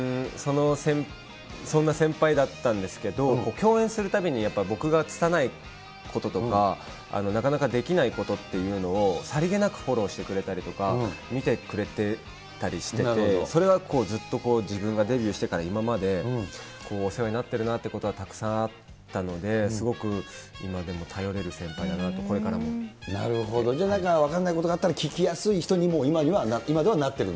そんな先輩だったんですけど、共演するたびに、やっぱり僕がつたないこととかなかなかできないことっていうのを、さりげなくフォローしてくれたりとか、見てくれてたりしてて、それはずっとこう、自分がデビューしてから今まで、お世話になってるなっていうことはたくさんあったので、すごく今でも頼れる先なるほど、なんか分かんないことがあったら、聞きやすい人にも、今ではなってるの？